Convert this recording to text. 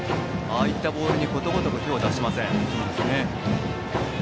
ああいったボールにことごとく手を出しません。